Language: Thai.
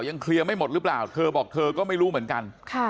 ยังเคลียร์ไม่หมดหรือเปล่าเธอบอกเธอก็ไม่รู้เหมือนกัน